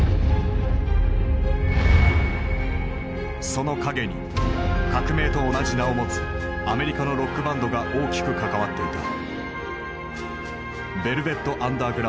その陰に革命と同じ名を持つアメリカのロックバンドが大きく関わっていた。